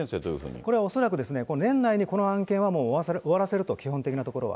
これは恐らく、年内にこの案件はもう終わらせると、基本的なところは。